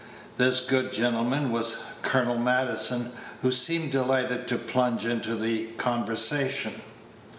This good gentleman was Colonel Maddison, who seemed delighted to plunge into the conversation.